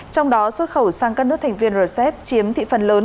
trong đó xuất khẩu sang các nước thành viên rcep chiếm thị phần lớn